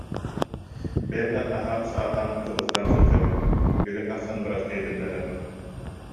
Бэйэм да наһаа саатан, кыбыстан сылдьабын, бүгүн тахсан бырастыы гыннарыам